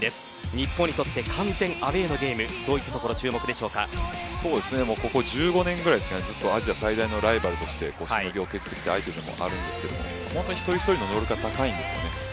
日本にとって完全アウェーのゲームどういったところここ１５年ぐらい、ずっとアジア最大のライバルとしてしのぎを削ってきた相手でもあるんですけれども本当、ひとりひとりの力が高いんですよね。